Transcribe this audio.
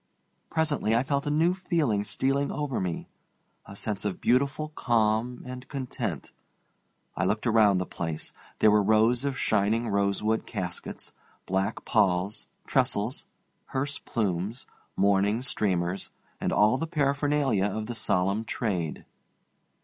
Presently I felt a new feeling stealing over me—a sense of beautiful calm and content, I looked around the place. There were rows of shining rosewood caskets, black palls, trestles, hearse plumes, mourning streamers, and all the paraphernalia of the solemn trade.